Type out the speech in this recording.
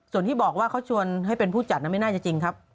ส่วนที่บอกว่าเขาชวนให้เป็นผู้จัดไม่น่าจะจริงครับ